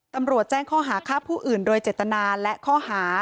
ตำรวจแจ้งข้อหาฆ่าผู้อื่นโดยเจตนาและข้อหา